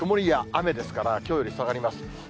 最高気温は曇りや雨ですから、きょうより下がります。